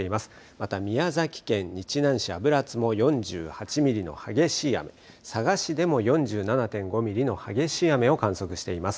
また宮崎県日南市油津も４８ミリの激しい雨、佐賀市でも４７．５ミリの激しい雨を観測しています。